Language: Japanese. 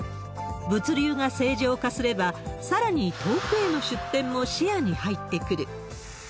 物流が正常化すれば、さらに遠くへの出店も視野に入ってくる。